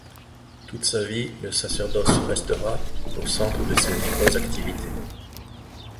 Toute sa vie le sacerdoce restera au centre de ses nombreuses activités.